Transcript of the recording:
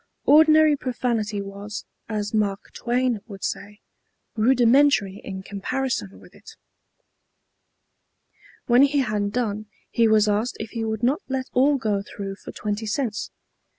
Ordinary profanity was, as Mark Twain would say, "rudimentary" in comparison with it. When he had done he was asked if he would not let all go through for twenty cents.